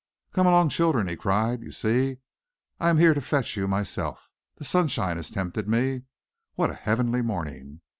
"Come along, children," he cried. "You see, I am here to fetch you myself. The sunshine has tempted me. What a heavenly morning!